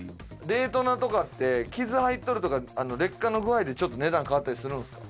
デイトナとかって傷入ってるとか劣化の具合でちょっと値段変わったりするんですか？